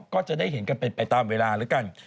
ก็จะได้เห็นกันเป็นไปตามเวลาแล้วกัน